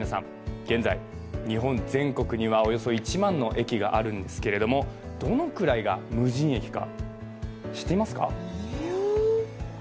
日本全国にはおよそ１万の駅があるんですけどもどのくらいが無人駅が知っていますか？